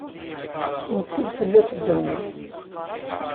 Netti-d fell-as ddunit.